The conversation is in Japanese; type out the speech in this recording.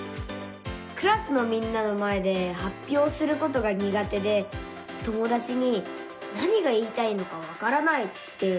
クラスのみんなの前ではっぴょうすることがにが手で友だちに「何が言いたいのかわからない」って言われちゃうんです。